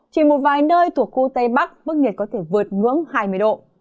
chỉ một vài nơi thuộc khu tây bắc mức nhiệt có thể vượt ngưỡng hai mươi độ